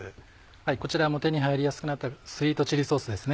こちらも手に入りやすくなったスイートチリソースですね。